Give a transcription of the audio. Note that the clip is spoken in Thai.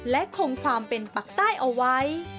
และคงความเป็นปักใต้เอาไว้